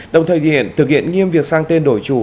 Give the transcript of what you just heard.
đồng thời thực hiện nghiêm việc sang tên đổi chủ